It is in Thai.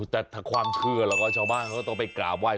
แต่ถ้าความเชื่อแล้วก็ชาวบ้านเขาต้องไปกราบไห้